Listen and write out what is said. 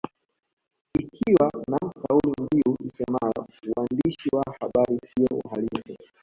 Ikiwa na kauli mbiu isemayo uandishi wa habari siyo uhalifu